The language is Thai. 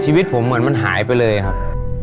ชีวิตผมเหมือนมันหายไปเลยครับ